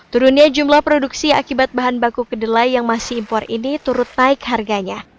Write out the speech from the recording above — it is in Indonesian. turunnya jumlah produksi akibat bahan baku kedelai yang masih impor ini turut naik harganya